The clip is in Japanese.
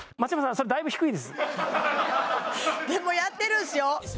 それだいぶ低いですでもやってるんすよ